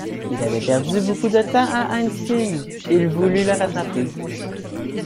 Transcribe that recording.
Il avait perdu beaucoup de temps à Hesdin, il eût voulu le rattraper.